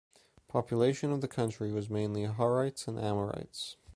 Population of the country was mainly Hurrites and Amorites.